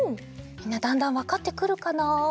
みんなだんだんわかってくるかな。